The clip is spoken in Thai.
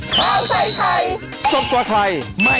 โปรดติดตามตอนต่อไป